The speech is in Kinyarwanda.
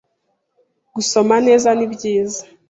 Gusoma neza ni byiza